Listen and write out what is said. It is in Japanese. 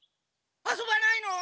遊ばないの？